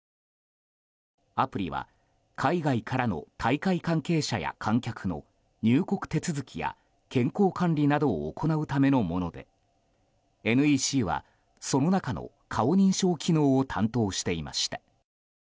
アプリは海外からの大会関係者や観客の入国手続きや健康管理などを行うためのものでＮＥＣはその中の顔認証機能を担当していました。